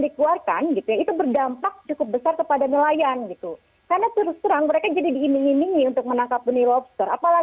dan juga perdagangan pengaruh